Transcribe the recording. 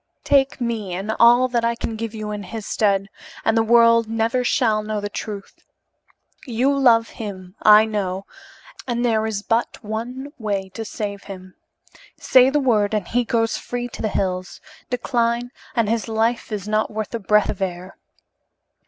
Take me and all that I can give you in his stead, and the world never shall know the truth. You love him, I know, and there is but one way to save him. Say the word and he goes free to the hills; decline and his life is not worth a breath of air."